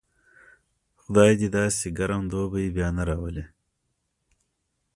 خدای دې داسې ګرم دوبی بیا نه راولي.